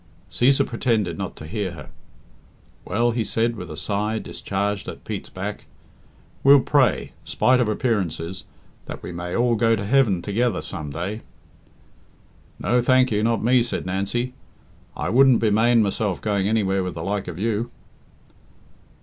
Cæsar pretended not to hear her. "Well," he said, with a sigh discharged at Pete's back, "we'll pray, spite of appearances, that we may all go to heaven together some day." "No, thank you, not me," said Nancy. "I wouldn't be mane myself going anywhere with the like of you."